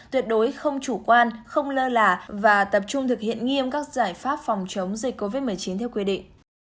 tuyệt đối không chủ quan không lơ là và tập trung thực hiện nghiêm các giải pháp phòng chống dịch covid một mươi chín theo quy định